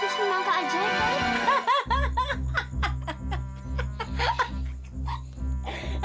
ini semangka ajaib